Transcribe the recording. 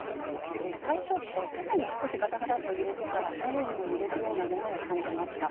最初、縦に少しがたがたっと揺れてから、左右にも揺れるようなものを感じました。